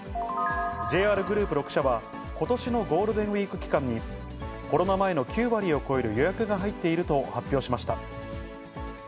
ＪＲグループ６社は、ことしのゴールデンウィーク期間に、コロナ前の９割を超える予約が入っていると発表しました。